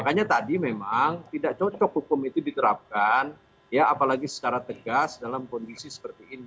makanya tadi memang tidak cocok hukum itu diterapkan ya apalagi secara tegas dalam kondisi seperti ini